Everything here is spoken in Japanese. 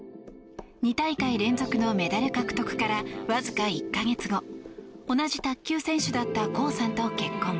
２大会連続のメダル獲得からわずか１か月後同じ卓球選手だったコウさんと結婚。